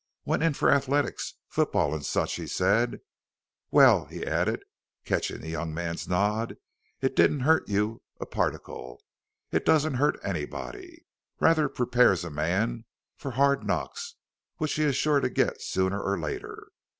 "Went in for athletics football, and such?" he said. "Well," he added, catching the young man's nod, "it didn't hurt you a particle it doesn't hurt anybody. Rather prepares a man for hard knocks which he is sure to get sooner or later.